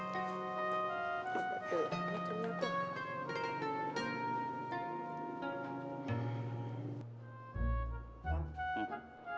tuh ini tuh